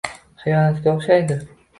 Xiyonatga o’xshaydi.